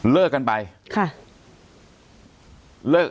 เลิกกันไป